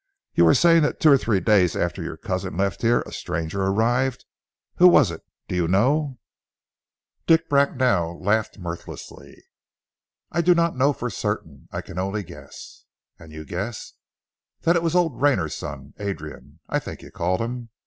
"You were saying that two or three days after your cousin left here a stranger arrived. Who was it? Do you know?" Dick Bracknell laughed mirthlessly. "I do not know for certain. I can only guess." "And you guess " "That it was old Rayner's son Adrian, I think you called him.